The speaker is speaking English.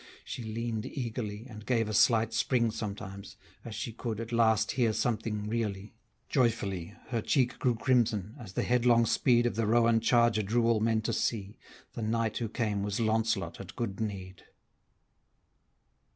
She lean'd eagerly, And gave a slight spring sometimes, as she could At last hear something really; joyfully Her cheek grew crimson, as the headlong speed Of the roan charger drew all men to see, The knight who came was Launcelot at good need.